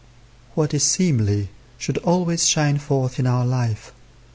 What is seemly should always shine forth in our life.